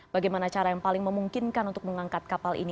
bagaimana cara yang paling memungkinkan untuk mengangkat kapal ini